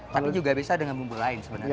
tapi juga bisa dengan bumbu lain sebenarnya